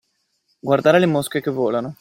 Guardare le mosche che volano.